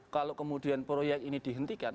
kalau kemudian proyek ini dihentikan